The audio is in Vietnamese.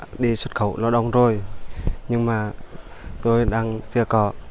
tôi đi xuất khẩu lao động rồi nhưng mà tôi đang chưa có